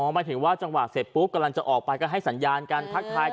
หมายถึงว่าจังหวะเสร็จปุ๊บกำลังจะออกไปก็ให้สัญญาณการทักทายกัน